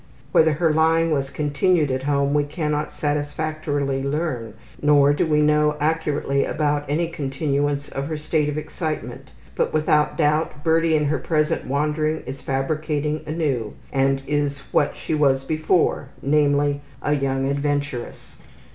Whether her lying was continued at home we cannot satisfactorily learn, nor do we know accurately about any continuance of her state of excitement, but without doubt Birdie in her present wandering is fabricating anew, and is what she was before, namely, a young adventuress.